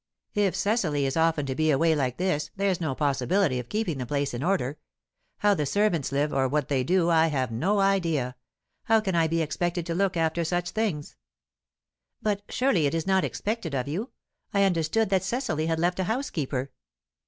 If Cecily is often to be away like this, there's no possibility of keeping the place in order. How the servants live, or what they do, I have no idea. How can I be expected to look after such things?" "But surely it is not expected of you? I understood that Cecily had left a housekeeper."